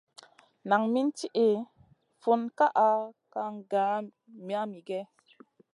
Nan min tiʼi funna kaʼa kaŋ gèh mamigèh?